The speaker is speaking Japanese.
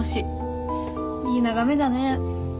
いい眺めだね。